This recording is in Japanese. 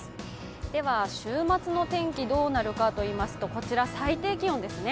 では、週末の天気どうなるかといいますと、こちら最低気温ですね。